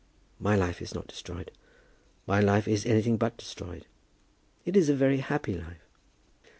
"My life is not destroyed. My life is anything but destroyed. It is a very happy life."